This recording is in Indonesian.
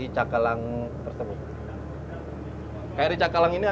kri cakalang ini berada di dalam ruangan ini